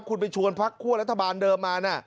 คุณไปชวนพักคั่วรัฐบาลเดิมมานะ